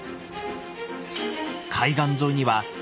海岸沿いには高さ